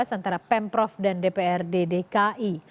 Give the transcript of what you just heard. antara pemprov dan dprd dki